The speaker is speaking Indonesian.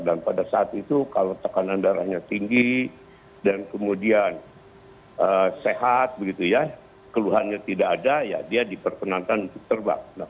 dan pada saat itu kalau tekanan darahnya tinggi dan kemudian sehat begitu ya keluhannya tidak ada ya dia diperkenankan untuk terbang